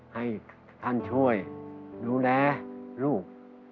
ให้ท่านช่วยดูแลลูก